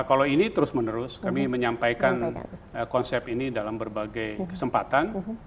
kalau ini terus menerus kami menyampaikan konsep ini dalam berbagai kesempatan